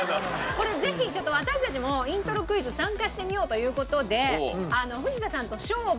これぜひちょっと私たちもイントロクイズ参加してみようという事で藤田さんと勝負という形式で。